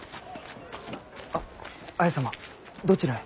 あ綾様どちらへ？